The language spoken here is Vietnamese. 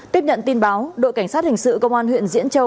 tiếp nhận tin báo đội cảnh sát hình sự công an huyện diễn châu